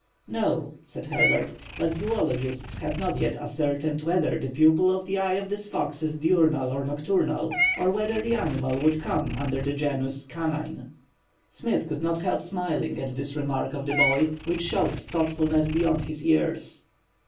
"No," said Herbert, "but zoologists have not yet ascertained whether the pupil of the eye of this fox is diurnal or nocturnal, or whether the animal would come under the genus "canine." Smith could not help smiling at this remark of the boy, which showed thoughtfulness beyond his years.